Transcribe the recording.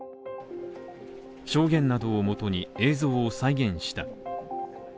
証言などをもとに映像を再現した。